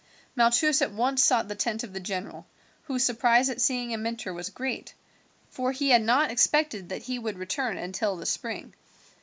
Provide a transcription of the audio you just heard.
Malchus at once sought the tent of the general, whose surprise at seeing him enter was great, for he had not expected that he would return until the spring.